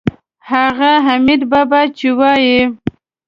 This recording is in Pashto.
هغه حمیدبابا چې وایي.